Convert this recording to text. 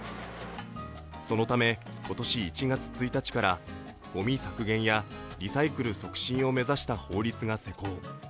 そのため、今年１月１日からごみ削減やリサイクル促進を目指した法律が施行。